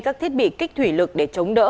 các thiết bị kích thủy lực để chống đỡ